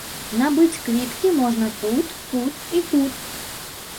Набыць квіткі можна тут, тут і тут.